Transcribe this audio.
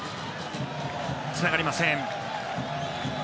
つながりません。